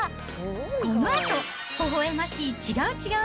このあと、ほほえましい違う違う！